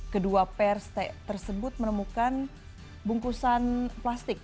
kedua pers tersebut menemukan bungkusan plastik